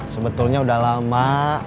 sebetulnya udah lama